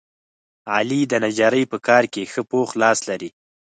علي د نجارۍ په کار کې ښه پوخ لاس لري.